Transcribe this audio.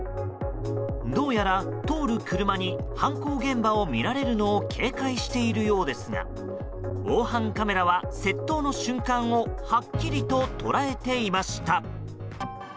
どうやら、通る車に犯行現場を見られるのを警戒しているようですが防犯カメラは、窃盗の瞬間をはっきりと捉えていました。